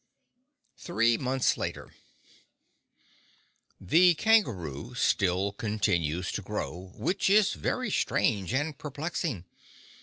Three Months Later The kangaroo still continues to grow, which is very strange and perplexing.